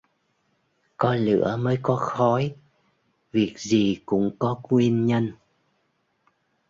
Có lửa mới có khói: việc gì cũng có nguyên nhân